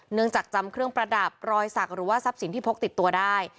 จากจำเครื่องประดับรอยสักหรือว่าทรัพย์สินที่พกติดตัวได้